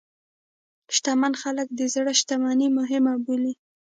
شتمن خلک د زړه شتمني مهمه بولي.